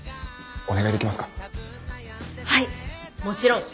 もちろん。